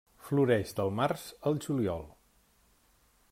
Floreix del març al juliol.